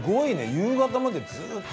夕方までずっと？